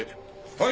はい。